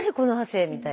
みたいな。